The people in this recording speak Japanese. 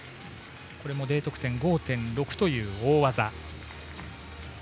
これもＤ得点５．６という大技。